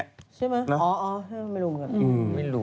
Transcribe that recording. ไม่รู้ว่ะ